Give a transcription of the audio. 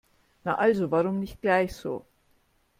Na also, warum nicht gleich so?